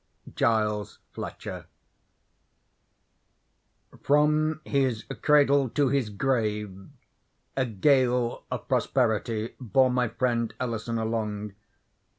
—Giles Fletcher. From his cradle to his grave a gale of prosperity bore my friend Ellison along.